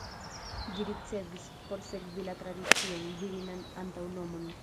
Ĝi ricevis, por sekvi la tradicion, virinan antaŭnomon.